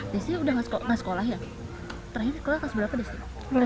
desti sudah gak sekolah ya terakhir sekolah kelas berapa